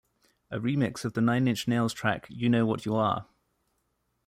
A remix of the Nine Inch Nails track You Know What You Are?